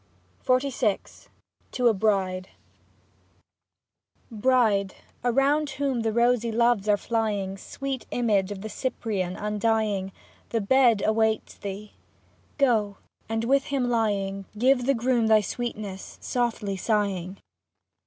50 XLVI TO A BRIDE Bride, around whom the rosy loves are flying. Sweet image of the Cyprian un dying, The bed awaits thee ; go, and with him lying, Give to the groom thy sweetness, softly sighing.